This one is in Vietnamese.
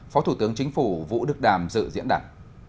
phó thủ tướng chính phủ vũ đức đàm dự diễn đàn